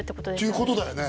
っていうことだよね